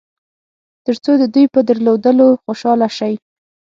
تر څو د دوی په درلودلو خوشاله شئ.